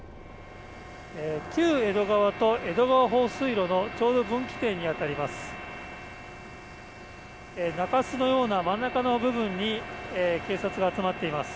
旧江戸川と江戸川本水路のちょうど分岐点に当たります。